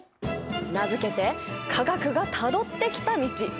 名付けて「化学がたどってきた道」。